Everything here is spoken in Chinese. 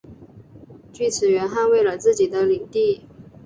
锯齿螈捍卫了自己的领地。